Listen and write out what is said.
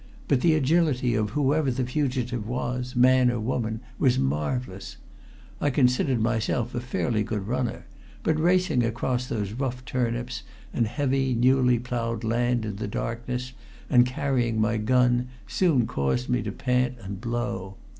But the agility of whoever the fugitive was, man or woman, was marvelous. I considered myself a fairly good runner, but racing across those rough turnips and heavy, newly plowed land in the darkness and carrying my gun soon caused me to pant and blow.